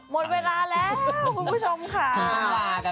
หมดเวลาแล้วคุณผู้ชมค่ะ